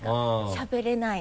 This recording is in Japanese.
しゃべれない。